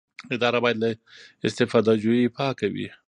اداره باید له استفاده جویۍ پاکه وي.